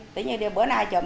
tự nhiên bữa nay chùm